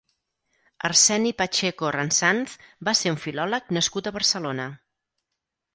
Arseni Pacheco Ransanz va ser un filòleg nascut a Barcelona.